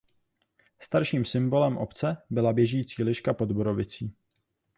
Starším symbolem obce byla běžící liška pod borovicí.